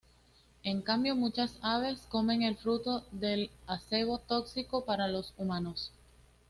En cambio, muchas aves comen el fruto del acebo tóxico para los humanos.